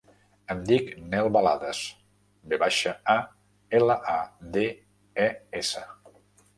Em dic Nel Valades: ve baixa, a, ela, a, de, e, essa.